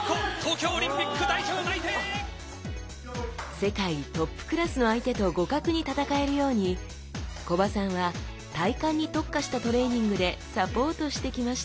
世界トップクラスの相手と互角に戦えるように木場さんは体幹に特化したトレーニングでサポートしてきました。